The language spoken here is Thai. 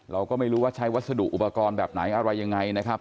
เราก็ไม่รู้ว่าใช้วัสดุอุปกรณ์แบบไหนอะไรยังไงนะครับ